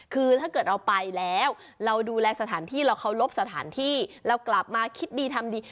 คือถ้าเกิดเราไปแล้วเราดูแลสถานที่เราเคารพสถานที่เรากลับมาคิดดีทำดี